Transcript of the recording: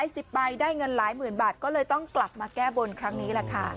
๑๐ใบได้เงินหลายหมื่นบาทก็เลยต้องกลับมาแก้บนครั้งนี้แหละค่ะ